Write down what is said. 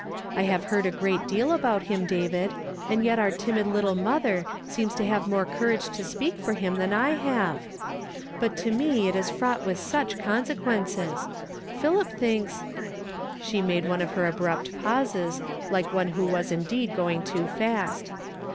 I have heard a great deal about him, David, and yet our timid little mother seems to htive more courage to speak for him than I have/ "WHO HATH BELIEVED OUR REPORT?" 95 But to me it is fraught with such consequences. Philip thinks "— She made one of her abrupt pauses, like one who was indeed going too fast.